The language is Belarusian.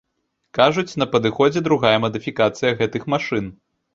Кажуць, на падыходзе другая мадыфікацыя гэтых машын.